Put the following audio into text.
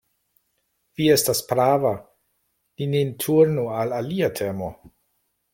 Vi estas prava: ni nin turnu al alia temo.